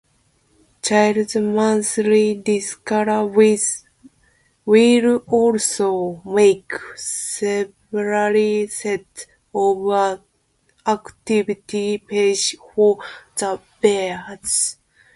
Children’s Ministry Director will also make several sets of activity pages for the verse.